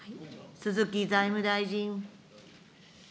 鈴木財務大臣。